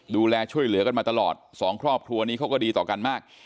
ดูแลช่วยเหลือกันมาตลอดสองครอบครัวนี้เขาก็ดีต่อกันมาก